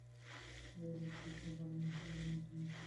একটি ইসমত আরার মায়ানগর এবং অন্যটি মনসুর আলীর সংগ্রাম দ্য মুভি।